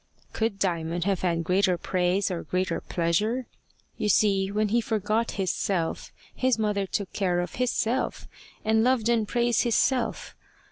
Could Diamond have had greater praise or greater pleasure? You see when he forgot his Self his mother took care of his Self, and loved and praised his Self.